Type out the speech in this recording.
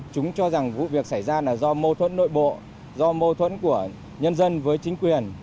chúng cho rằng vụ việc xảy ra là do mâu thuẫn nội bộ do mâu thuẫn của nhân dân với chính quyền